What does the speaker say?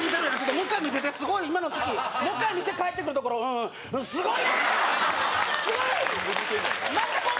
もう１回見せてすごい今の好きもう１回見せて帰ってくるところすごいな！